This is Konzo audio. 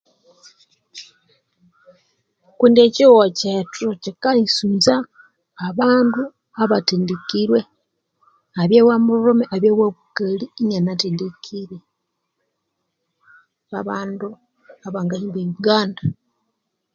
Kundi ekyihughu kyethu kyikayisunza abandu abethendekirwe abya wa mulhume abye wa bukali inanethendekirwe babandu abangahimba eyuganda